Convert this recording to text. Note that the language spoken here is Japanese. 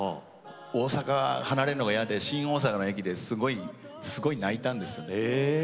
大阪を離れるのが嫌で新大阪の駅ですごい泣いたんです。